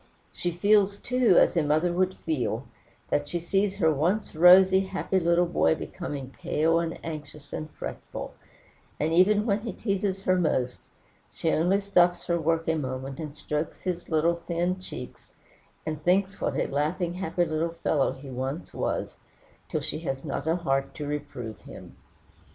She feels, too, as a mother would feel, when she sees her once rosy, happy little boy becoming pale, and anxious, and fretful; and even when he teases her most, she only stops her work a moment, and strokes his little thin cheeks, and thinks what a laughing, happy little fellow he once was, till she has not a heart to reprove him.